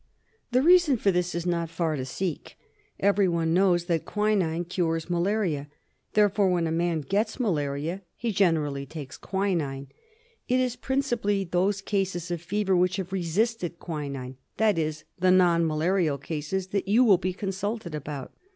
The reason for this is not far to seek. Everyone knows that quinine cures malaria. Therefore when a man gets malaria he generally takes quinine. It is principally those cases of fever which have resisted quinine — that is, the non malarial cases, that you will be consulted about.